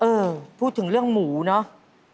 เออพูดถึงเรื่องหมูเนอะ